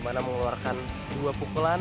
mau ngeluarkan dua pukulan